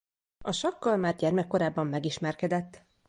A sakkal már gyermekkorában megismerkedett.